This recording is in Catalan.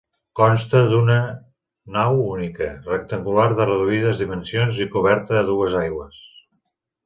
Consta d'una nau única, rectangular de reduïdes dimensions i coberta a dues aigües.